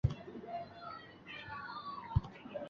由新恒基国际物业管理有限公司负责屋邨管理。